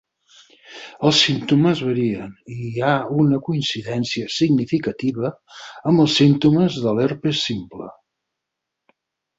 Els símptomes varien i hi ha una coincidència significativa amb els símptomes de l'herpes simple.